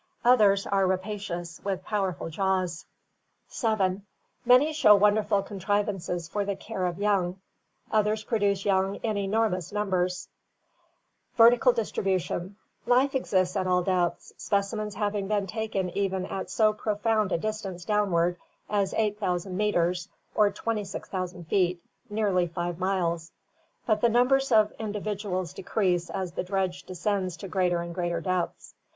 Others are rapacious, with powerful jaws. 7. Many show wonderful contrivances for the care of young; others produce young in enormous numbers. Vertical Distribution. — Life exists at all depths, specimens hav ing been taken even at so profound a distance downward as 8000 meters or 26,000 feet, nearly 5 miles, but the numbers of individuals CAVE AND DEEP SEA LIFE 387 decrease as the dredge descends to greater and greater depths.